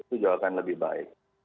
itu jauh akan lebih baik